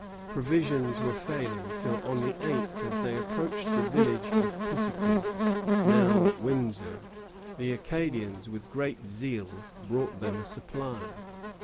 Provisions were failing, till on the 8th, as they approached the village of Pisiquid, now Windsor, the Acadians, with great zeal, brought them a supply.